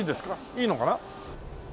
いいのかな？